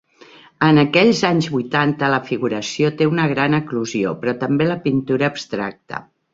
En aquells anys vuitanta, la figuració té una gran eclosió, però també la pintura abstracta.